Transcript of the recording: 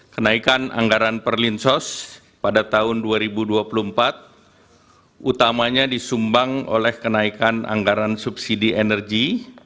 kenaikan anggaran perlinsos pada tahun dua ribu dua puluh empat utamanya disumbang oleh kenaikan anggaran subsidi energi